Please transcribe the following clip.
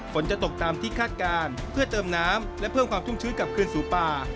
ฝนจะตกตามที่คาดการณ์เพื่อเติมน้ำและเพิ่มความชุ่มชื้นกลับคืนสู่ป่า